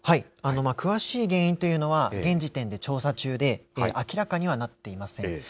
詳しい原因というのは現時点で調査中で、明らかにはなっていません。